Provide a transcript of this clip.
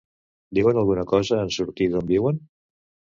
Diuen alguna cosa en sortir d'on viuen?